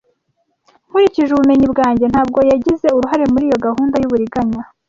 Nkurikije ubumenyi bwanjye, ntabwo yagize uruhare muri iyo gahunda y'uburiganya.